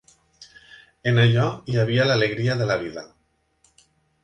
En allò hi havia l'alegria de la vida.